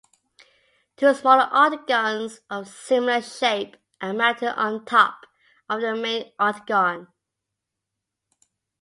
Two smaller octagons of similar shape are mounted on top of the main octagon.